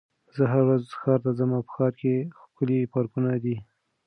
زه هره ورځ ښار ته ځم او په ښار کې ښکلي پارکونه دي.